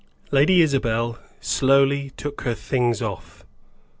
Lady Isabel slowly took her things off.